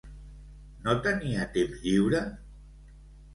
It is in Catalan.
No tenia temps lliure?